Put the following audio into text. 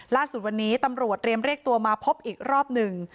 ล่าสุดวันนี้ตำรวจเรียมเรียกตัวมาพบอีกรอบหนึ่ง